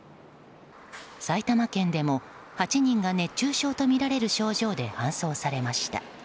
埼玉県でも８人が熱中症とみられる症状で搬送されました。